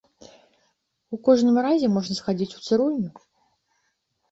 У кожным разе можна схадзіць у цырульню.